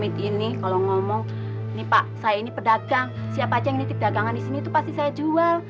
ini kalau ngomong nih pak saya ini pedagang siapa aja yang nitip dagangan di sini itu pasti saya jual